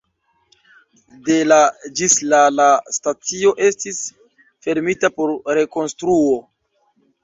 De la ĝis la la stacio estis fermita por rekonstruo.